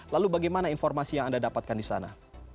lalu bagaimana informasi yang anda dapatkan di sana